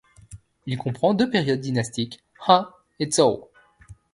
Il comprend deux périodes dynastiques, Han et Zhao.